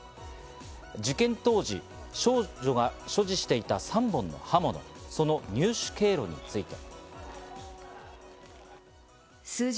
事件当時、少女が所持していた３本の刃物、その入手経路について。